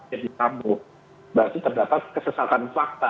berarti terdapat kesesatan fakta